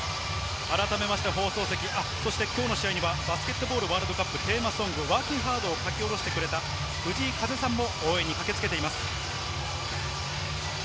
改めて放送席、そしてきょうの試合にはバスケットボールワールドカップテーマソング『Ｗｏｒｋｉｎ’Ｈａｒｄ』を書き下ろしてくれた藤井風さんも応援に駆けつけています。